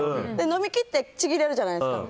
伸びきってちぎれるじゃないですか。